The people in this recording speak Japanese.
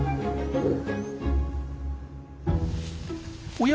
おや？